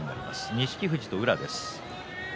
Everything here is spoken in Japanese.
錦富士と宇良です。